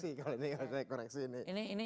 ini harus saya koreksi